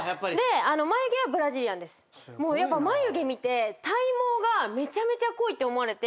やっぱ眉毛見て体毛がめちゃめちゃ濃いって思われて。